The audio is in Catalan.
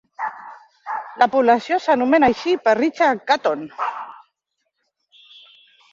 La població s'anomena així per Richard Caton.